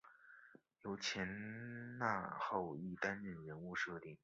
由前纳浩一担任人物设定。